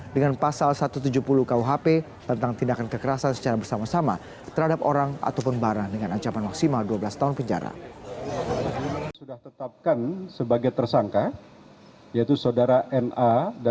dengan pasal satu ratus tujuh puluh kuhp tentang tindakan kekerasan secara bersama sama terhadap orang ataupun barang dengan ancaman maksimal dua belas tahun penjara